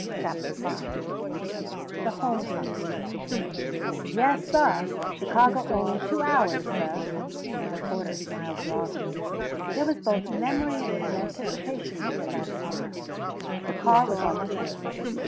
CHAPTER V THE HOME COMING "Yes, suh, Chicago only two hours, suh," and the porter smiled broadly. There was both memory and anticipation in that smile. The car was almost empty.